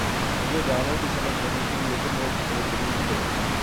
مجھے گانوں کی سمجھ نہیں تھی لیکن وہ بہترین تھے